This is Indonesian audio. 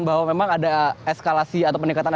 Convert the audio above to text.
bahwa memang ada eskalasi atau peningkatan